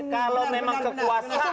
kalau memang kekuasaan